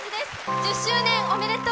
１０周年おめでとう。